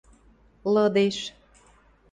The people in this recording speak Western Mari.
Лыдеш.